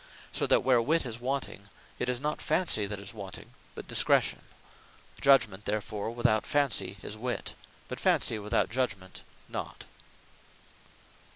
So that where Wit is wanting, it is not Fancy that is wanting, but Discretion. Judgement therefore without Fancy is Wit, but Fancy without Judgement not.